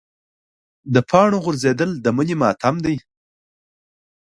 د پاڼو غورځېدل د مني ماتم دی.